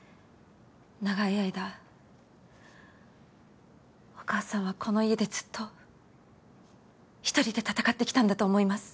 長い間お母さんはこの家でずっと一人で闘ってきたんだと思います。